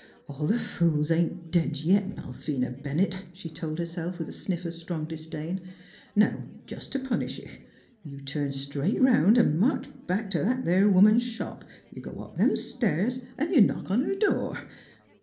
26 NEIGHBORS " All th' fools ain't dead yit, Malvina Bennett," she told herself with a sniff of strong disdain. " Now, jest t' punish ye, you turn straight 'round 'n' march back t' that there woman's shop. You go up them stairs, an' you knock on her door.